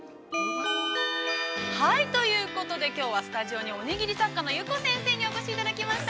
◆ということで、きょうはスタジオにおにぎり作家のゆこ先生にお越しいただきました。